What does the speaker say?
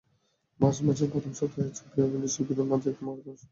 March মাসের প্রথম সপ্তাহে ছবির অভিনয়শিল্পীদের নিয়ে একটি মহরত অনুষ্ঠানের আয়োজন করেছি।